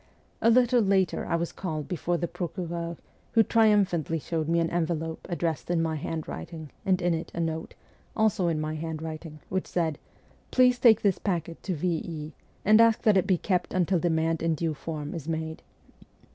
A little later I was called before the procureur, who trium ST. PETERSBURG 133 phantly showed me an envelope addressed in my handwriting, and in it a note, also in my handwriting, which said, ' Please take this packet to V. E., and ask that it be kept until demand in due form is made.'